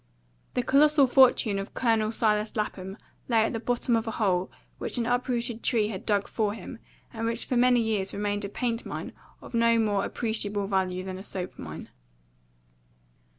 The colossal fortune of Colonel Silas Lapham lay at the bottom of a hole which an uprooted tree had dug for him, and which for many years remained a paint mine of no more appreciable value than a soap mine."